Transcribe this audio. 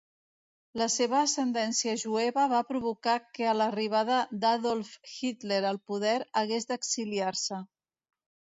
La seva ascendència jueva va provocar que a l'arribada d'Adolf Hitler al poder hagués d'exiliar-se.